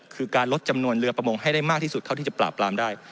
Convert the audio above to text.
คือการลดจำนวนเรือประมงให้ได้มากที่สุดเท่าที่จะปราบปรามได้